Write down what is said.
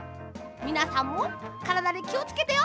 みなさんもからだにきをつけてよ。